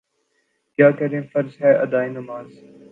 کیا کریں فرض ہے ادائے نماز